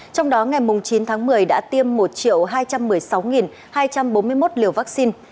trong đó ngày chín tháng một mươi đã tiêm một hai trăm một mươi sáu hai trăm bốn mươi một liều vaccine